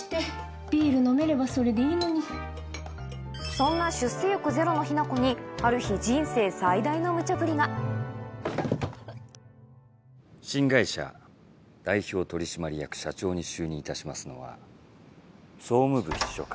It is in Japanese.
そんな出世欲ゼロの雛子にある日人生最大のムチャブリが新会社代表取締役社長に就任いたしますのは総務部秘書課。